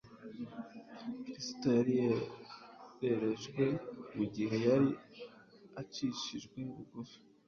Kristo yari yererejwe mu gihe yari acishijwe bugufi.